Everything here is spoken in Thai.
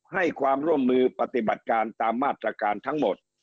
ให้ความร่วมมือปฏิบัติการตามมาตรการทั้งหมด